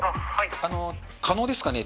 可能ですかね？